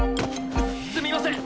すみません！